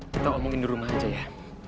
kita omongin di rumah aja ya